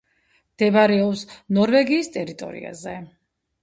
მდებარეობს ნორვეგიის ტერიტორიაზე.